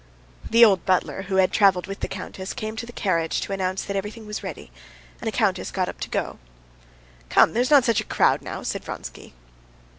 The old butler, who had traveled with the countess, came to the carriage to announce that everything was ready, and the countess got up to go. "Come; there's not such a crowd now," said Vronsky.